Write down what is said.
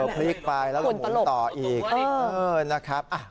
อ๋อพลิกไปแล้วก็หมุนต่ออีกนะครับคุณตลบ